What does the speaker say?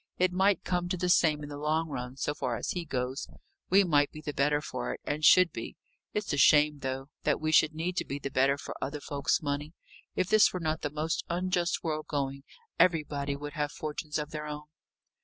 It might come to the same in the long run, so far as he goes: we might be the better for it, and should be. It's a shame, though, that we should need to be the better for other folk's money; if this were not the most unjust world going, everybody would have fortunes of their own."